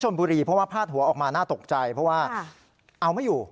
บุรีเพราะว่าพาดหัวออกมาน่าตกใจเพราะว่าเอาไม่อยู่